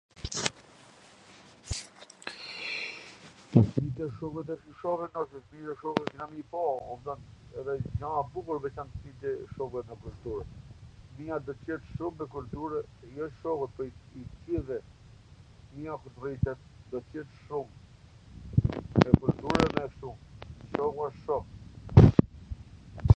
.....[???] shuku asht shok